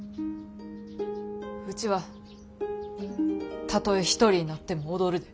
ウチはたとえ一人になっても踊るで。